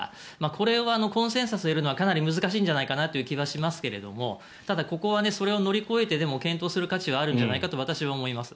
これはコンセンサスを得るのはかなり難しいんじゃないかという気はしますがただ、ここはそれを乗り越えてでも検討する価値はあるんじゃないかと思います。